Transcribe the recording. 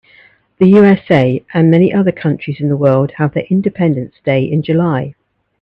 The USA and many other countries of the world have their independence day in July.